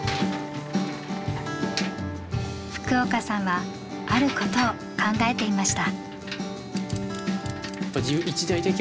福岡さんはあることを考えていました。